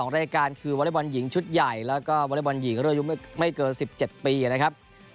รายการคือวอเล็กบอลหญิงชุดใหญ่แล้วก็วอเล็กบอลหญิงรุ่นอายุไม่เกิน๑๗ปีนะครับ